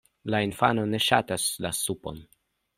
La infano ne ŝatas la supon.